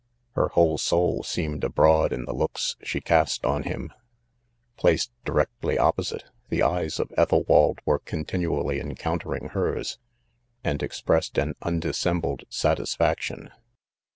Her whole soul seemed abroad in the looks she cast on him. Plaeed directly opposite, the eyes of Bthelwald were continually encountering hers 9 and expressed an undissembled satisfaction.